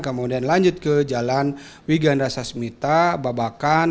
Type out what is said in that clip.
kemudian lanjut ke jalan wigandasasmita babakan